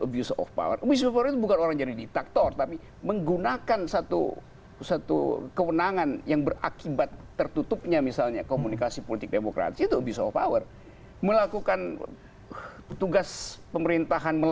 beri dukungan di kolom komentar